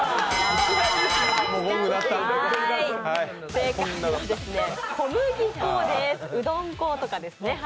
正解は小麦粉です、うどん粉とかですね。